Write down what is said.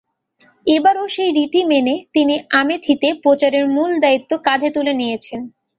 এবারও সেই রীতি মেনে তিনি আমেথিতে প্রচারের মূল দায়িত্ব কাঁধে তুলে নিয়েছেন।